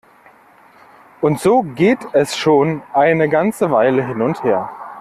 Und so geht es schon eine ganze Weile hin und her.